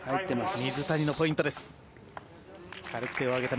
水谷のポイントです。